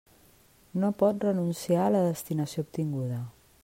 No pot renunciar a la destinació obtinguda.